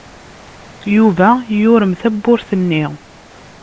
Yuba yurem tawwurt-nni.